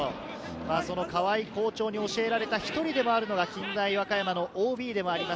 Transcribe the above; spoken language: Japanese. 川合校長に教えられた１人でもあるのが、近大和歌山のＯＢでもあります